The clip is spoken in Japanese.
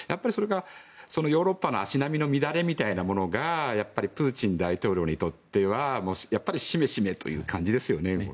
そのヨーロッパの足並みの乱れみたいなものがプーチン大統領にとってはしめしめという感じですよね。